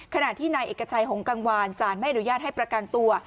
ขณะที่นายเอกชัยหงกังวานสารไม่อนุญาตให้ประกันตัว